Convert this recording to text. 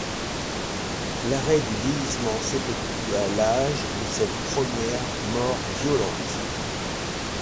L'arrêt du vieillissement s'effectue à l'âge de cette première mort violente.